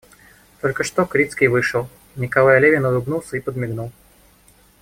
Только что Крицкий вышел, Николай Левин улыбнулся и подмигнул.